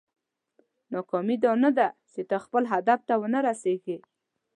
ناکامي دا نه ده چې ته خپل هدف ته ونه رسېږې.